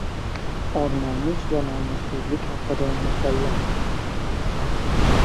Or-nomus va nomussizlik haqida maqollar.